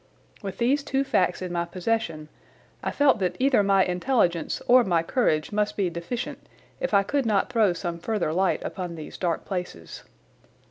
With these two facts in my possession I felt that either my intelligence or my courage must be deficient if I could not throw some further light upon these dark places.